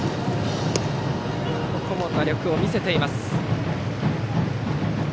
ここも打力を見せています。